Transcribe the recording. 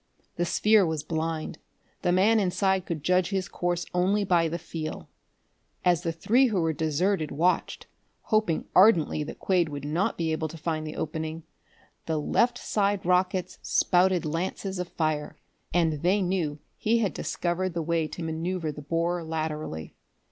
The sphere was blind. The man inside could judge his course only by the feel. As the three who were deserted watched, hoping ardently that Quade would not be able to find the opening, the left side rockets spouted lances of fire, and they knew he had discovered the way to maneuver the borer laterally.